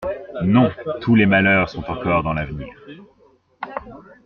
Non, tous les malheurs sont encore dans l’avenir.